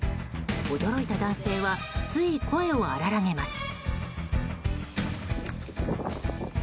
驚いた男性はつい声を荒げます。